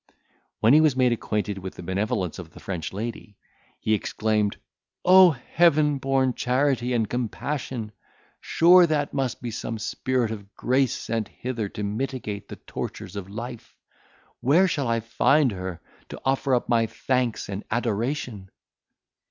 When he was made acquainted with the benevolence of the French lady, he exclaimed, "O heaven born charity and compassion! sure that must be some spirit of grace sent hither to mitigate the tortures of life! where shall I find her, to offer up my thanks and adoration?"